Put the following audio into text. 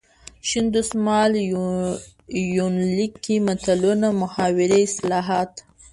شین دسمال یونلیک کې متلونه ،محاورې، اصطلاحات .